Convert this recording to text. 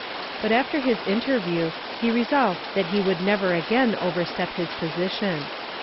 But after his interview he resolved that he would never again overstep his position.